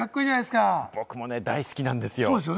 僕も大好きなんですよ。